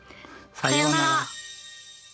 さようなら。